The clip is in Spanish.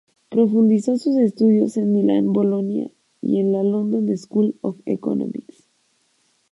Profundizó sus estudios en Milán, Bolonia y en la London School of Economics.